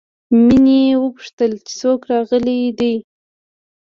مينې وپوښتل چې څوک راغلي دي